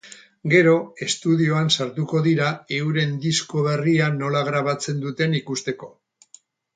Gero, estudioan sartuko dira euren disko berria nola grabatzen duten ikusteko.